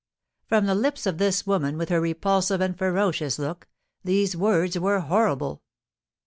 From the lips of this woman, with her repulsive and ferocious look, these words were horrible.